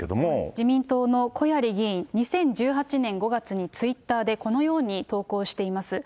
自民党の小鑓議員、２０１８年５月にツイッターでこのように投稿しています。